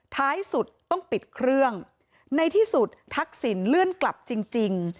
ท้ายสุดต้องปิดเครื่องในที่สุดทักษิณเลื่อนกลับจริง